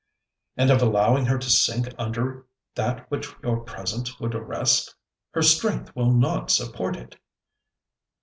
'And of allowing her to sink under that which your presence would arrest. Her strength will not support it.'